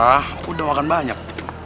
aku udah makan banyak